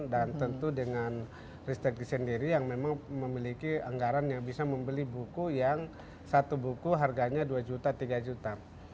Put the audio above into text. dan tentu dengan ristegi sendiri yang memang memiliki anggaran yang bisa membeli buku yang satu buku harganya dua juta tiga juta